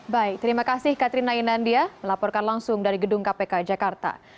baik terima kasih katrina inandia melaporkan langsung dari gedung kpk jakarta